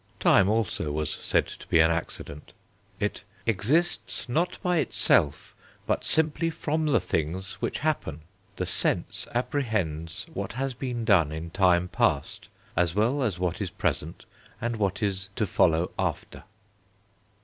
Time also was said to be an accident: it "exists not by itself; but simply from the things which happen, the sense apprehends what has been done in time past, as well as what is present, and what is to follow after."